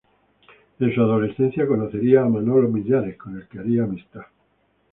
En su adolescencia conocería a Manolo Millares, con el que haría amistad.